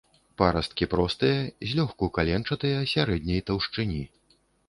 Парасткі простыя, злёгку каленчатыя, сярэдняй таўшчыні.